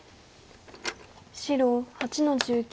白８の十九。